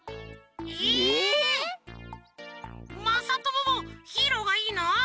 まさとももヒーローがいいの？